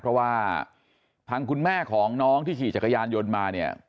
เพราะว่าทางคุณแม่ของน้องที่ขี่จักรยานยนต์มาเนี่ย